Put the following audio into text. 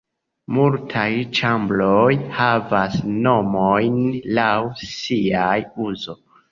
Multaj ĉambroj havas nomojn laŭ siaj uzo.